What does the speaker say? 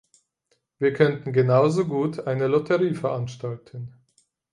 Wir könnten genauso gut eine Lotterie veranstalten.